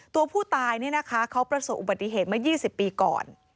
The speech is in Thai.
ตัวผู้ตายเนี่ยนะคะเขาประสบอุบัติเหตุมา๒๐ปีก่อน